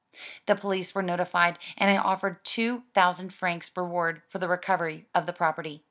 The police were notified, and I offered 2000 francs reward for the recovery of the property.